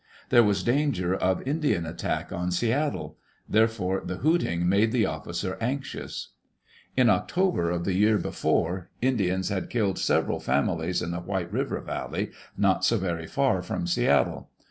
There was danger of Indian attack on Seattle; therefore the hooting made the officer anxious. In October of the year before, Indians had killed sev eral families in the White River Valley, not so very far from Seattle.